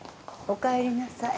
おかえりなさい。